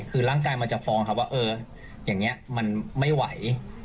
คือร่างกายมันจะฟ้องครับว่าเอออย่างนี้มันไม่ไหว